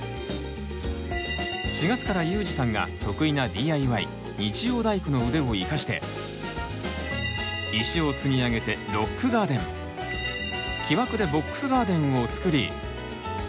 ４月からユージさんが得意なＤＩＹ日曜大工の腕を生かして石を積み上げてロックガーデン木枠でボックスガーデンを作り